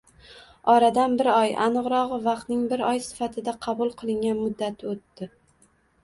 Oradan bir oy, aniqrog‘i, vaqtning bir oy sifatida qabul qilingan muddati o‘tdi.